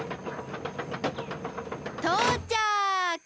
とうちゃく！